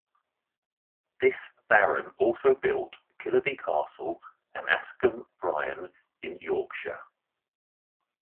This baron also built Killerby Castle and Askham Bryan in Yorkshire.